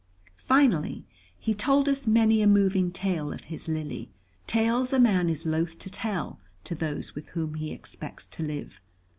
Finally, he told us many a moving tale of his Lily; tales a man is loth to tell to those with whom he expects to live.